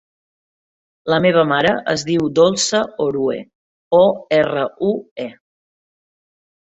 La meva mare es diu Dolça Orue: o, erra, u, e.